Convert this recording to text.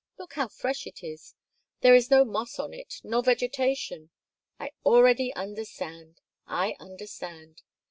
Look how fresh it is. There is no moss on it, nor vegetation. I already understand, I understand!"